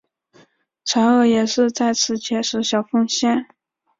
蔡锷也是在此结识小凤仙。